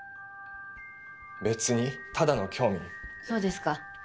べつにただの興味そうですか